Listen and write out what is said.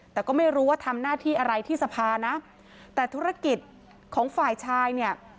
แต่ก็ไม่รู้ว่าทำหน้าที่อะไรที่สภานะแต่ธุรกิจของฝ่ายชายเนี่ย